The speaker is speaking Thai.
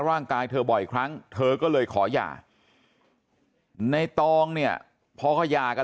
ร่างกายเธอบ่อยครั้งเธอก็เลยขอหย่าในตองเนี่ยพอเขาหย่ากัน